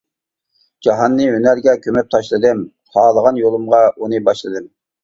جاھاننى ھۈنەرگە كۆمۈپ تاشلىدىم، خالىغان يولۇمغا ئۇنى باشلىدىم.